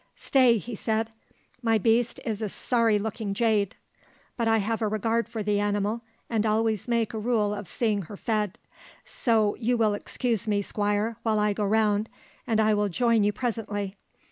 "Stay," he said; "my beast is a sorry looking jade, but I have a regard for the animal, and always make a rule of seeing her fed; so you will excuse me, Squire, while I go round, and I will join you presently.